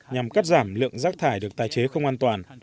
nhằm cắt giảm lượng rác thải được tái chế không an toàn